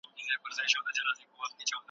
د اسلام مبارک دين تر ټولو غوره دین دی.